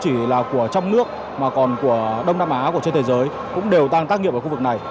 chỉ là của trong nước mà còn của đông nam á trên thế giới cũng đều đang tác nghiệp ở khu vực này